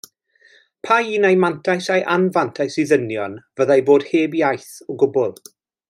Pa un ai mantais ai anfantais i ddynion fyddai bod heb iaith o gwbl?